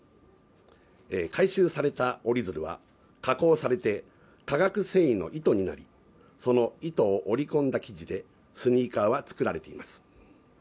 回収された折り鶴は加工されて化学繊維の糸になり、その糸を織り込んだ生地でスニーカーは作られています。